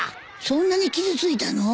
そんなに傷ついたの？